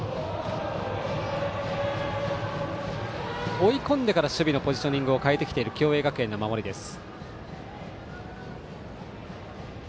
追い込んでから守備のポジショニングを変えてきている共栄学園の守りです。